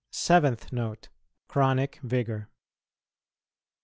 SEVENTH NOTE. CHRONIC VIGOUR.